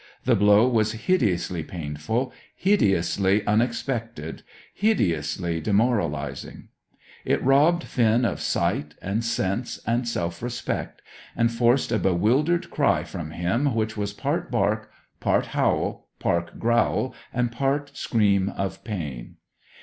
The blow was hideously painful, hideously unexpected, hideously demoralizing. It robbed Finn of sight, and sense, and self respect, and forced a bewildered cry from him which was part bark, part howl, part growl, and part scream of pain.